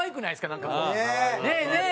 なんかこう「ねえねえ！」